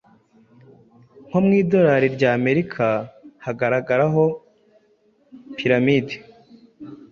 nko mu idorali rya Amerika hagaragaho Pyramide